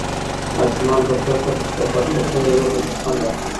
ماشومان په پټ پټوني لوبه کې خوند اخلي.